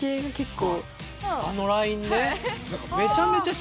あのラインね。